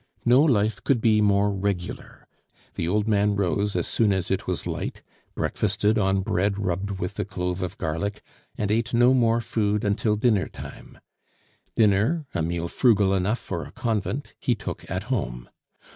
No life could be more regular; the old man rose as soon as it was light, breakfasted on bread rubbed with a clove of garlic, and ate no more food until dinner time. Dinner, a meal frugal enough for a convent, he took at home.